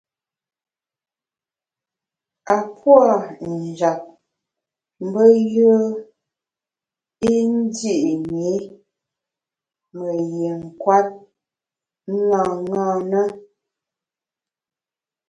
A puâ’ njap mbe yùe i ndi’ ṅi me yin kwet ṅaṅâ na.